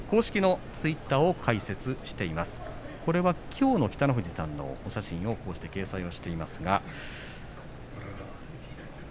きょうは北の富士さんのお写真を掲載しています。